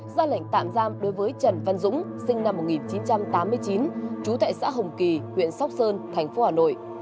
ra lệnh tạm giam đối với trần văn dũng sinh năm một nghìn chín trăm tám mươi chín trú tại xã hồng kỳ huyện sóc sơn thành phố hà nội